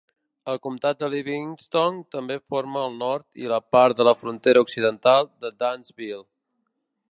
El Comtat de Livingston també forma el nord i la part de la frontera occidental de Dansville.